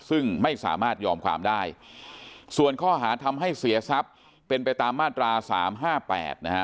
ซึ่งไม่สามารถยอมความได้ส่วนข้อหาทำให้เสียทรัพย์เป็นไปตามมาตราสามห้าแปดนะฮะ